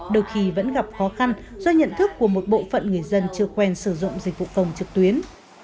đôi khi vẫn gặp khó khăn do nhận thức của một bộ phận người dân chưa quen sử dụng dịch vụ công trực tuyến